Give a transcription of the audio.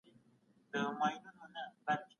تاسو باید په ټولنه کې د مثبت بدلون لامل سئ.